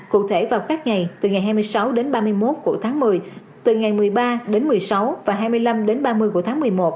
cụ thể vào các ngày từ ngày hai mươi sáu đến ba mươi một của tháng một mươi từ ngày một mươi ba đến một mươi sáu và hai mươi năm đến ba mươi của tháng một mươi một